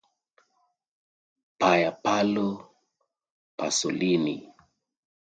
Pier Paolo Pasolini.